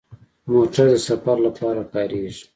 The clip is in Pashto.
موټر د سفر لپاره کارېږي.